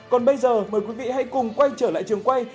còn bây giờ mời quý vị hãy cùng quay trở lại trường quay